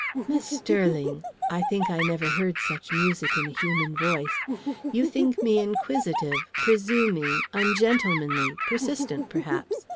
"Miss Sterling" I think I never heard such music in a human voice "you think me inquisitive, presuming, ungentlemanly, persistent, perhaps.